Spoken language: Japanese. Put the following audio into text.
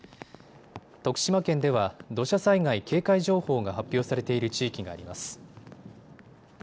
徳島県では土砂災害警戒情報が発表されている地域があります。